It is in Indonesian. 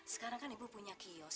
sekarang kan ibu punya kios